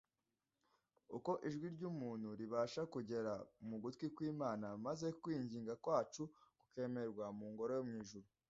uko ijwi ry’umuntu ribasha kugera mu gutwi kw’Imana, maze kwinginga kwacu kukemerwa mu ngoro yo mw’ijuru